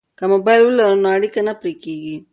که موبایل ولرو نو اړیکه نه پرې کیږي.